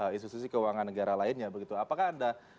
institusi keuangan negara lainnya begitu apakah anda